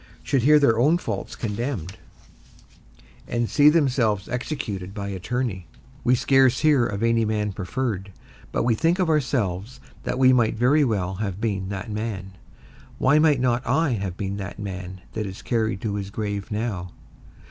should hear their own faults condemned, and see themselves executed by attorney? We scarce hear of any man preferred, but we think of ourselves that we might very well have been that man; why might not I have been that man that is carried to his grave now?